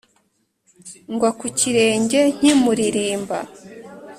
ngwa ku kirenge nkimuririmba